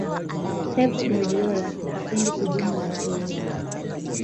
pep guardiola hapendi kudumu na timu